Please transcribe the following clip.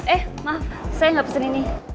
eh maaf saya nggak pesen ini